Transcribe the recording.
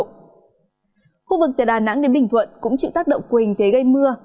khu vực từ đà nẵng đến bình thuận cũng chịu tác động của quỳnh thế gây mưa